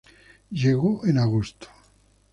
Llegó en agosto.